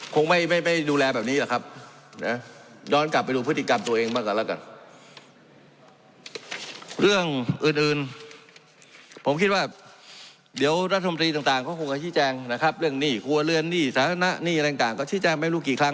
คงไม่ไม่ไม่ดูแลแบบนี้หรอครับนะล้อนกลับไปดูพฤติกรรมโจริงมากกว่า